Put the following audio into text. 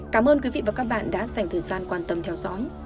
cảm ơn quý vị và các bạn đã dành thời gian quan tâm theo dõi